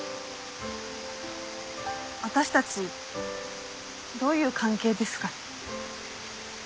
私たちどういう関係ですかね？